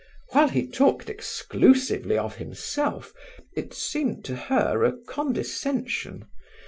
While he talked exclusively of himself it seemed to her a condescension.